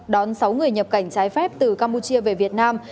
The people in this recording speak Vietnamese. đón sáu người nhập cảnh trái phép từ campuchia về việt nam